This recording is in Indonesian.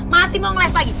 masih mau ngeles lagi